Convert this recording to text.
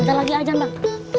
ntar lagi ajang bang